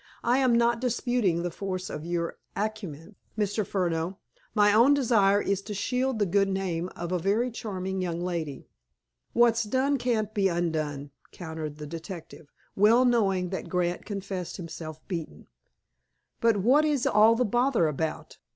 "I am not disputing the force of your acumen, Mr. Furneaux. My only desire is to shield the good name of a very charming young lady." "What's done can't be undone," countered the detective, well knowing that Grant confessed himself beaten. "But what is all the bother about?